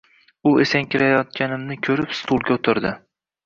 U esankirayotganimni ko`rib, stulga o`tirdi